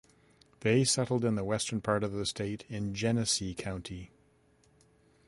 They settled in the western part of the state in Genesee County.